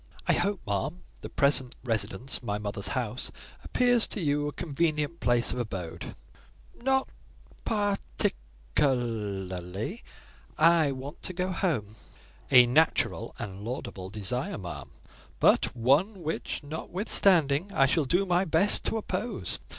"I hope, ma'am, the present residence, my mother's house, appears to you a convenient place of abode?" "Not par tic er er ly; I want to go home." "A natural and laudable desire, ma'am; but one which, notwithstanding, I shall do my best to oppose.